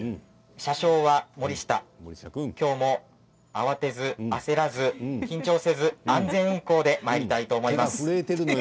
車掌は森下きょうも慌てず焦らず緊張せず安全運行でまいりたいと思います。